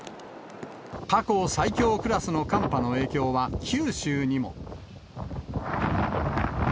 過去最強クラスの寒波の影響は九州にも。